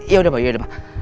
yaudah pak yaudah